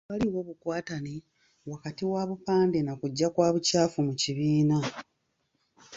Tewaliiwo bukwatane wakati wa bupande na kujja kwa bucaafu mu kibiina.